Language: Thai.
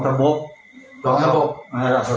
จัดกระบวนพร้อมกัน